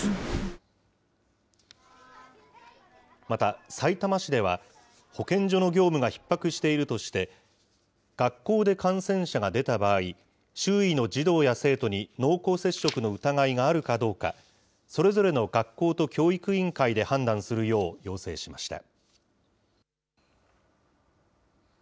またさいたま市では、保健所の業務がひっ迫しているとして、学校で感染者が出た場合、周囲の児童や生徒に濃厚接触の疑いがあるかどうか、それぞれの学校と教育委員会で判断するよう要請しました。